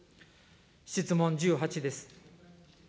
質問１８です。